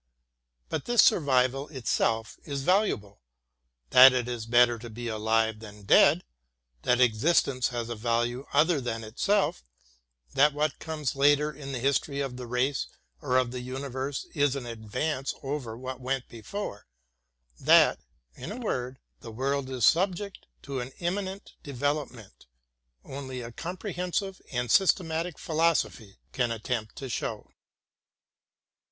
But that survival itself is valuable : that it is better to be alive than dead ; that exist ence has a value other than itself; that what comes later in the history of the race or of the universe is an advance over what went before — that, in a word, the world is sub ject to an immanent development, only a comprehensive and systematic philosophy can attempt to show.